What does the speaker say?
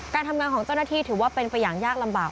การทำงานของเจ้าหน้าที่ถือว่าเป็นไปอย่างยากลำบาก